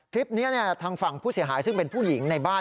คลิปนี้ทางฝั่งผู้เสียหายซึ่งเป็นผู้หญิงในบ้าน